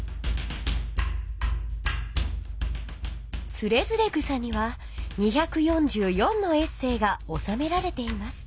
「徒然草」には２４４のエッセーがおさめられています。